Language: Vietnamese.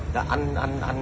dạ ăn ăn ăn